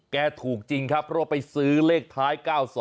ถูกจริงครับเพราะว่าไปซื้อเลขท้าย๙๒